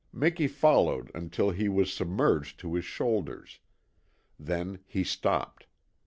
Miki followed until he was submerged to his shoulders. Then he stopped.